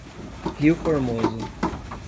Rio Formoso